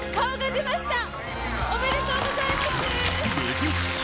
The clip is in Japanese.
・おめでとうございます！